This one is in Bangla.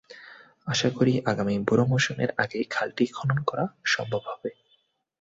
আশা করি, আগামী বোরো মৌসুমের আগেই খালটি খনন করা সম্ভব হবে।